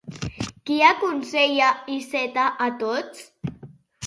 Què aconsella Iceta a tots?